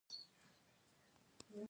د غرمې خوا ته به د کوچیانو وار شو.